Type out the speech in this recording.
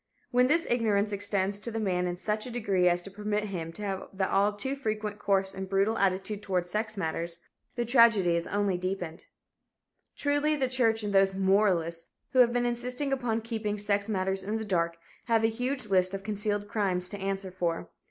When this ignorance extends to the man in such a degree as to permit him to have the all too frequent coarse and brutal attitude toward sex matters, the tragedy is only deepened. Truly the church and those "moralists" who have been insisting upon keeping sex matters in the dark have a huge list of concealed crimes to answer for.